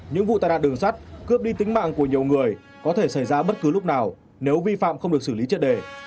những vụ tai nạn đường sắt cướp đi tính mạng của nhiều người có thể xảy ra bất cứ lúc nào nếu vi phạm không được xử lý triệt đề